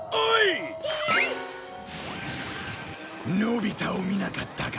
のび太を見なかったか？